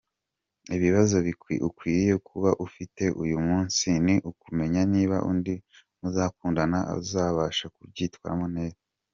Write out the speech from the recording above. Ikibazo ukwiriye kuba ufite uyu munsi ni ukumenya niba undi muzakundana uzabasha kubyitwaramo neza.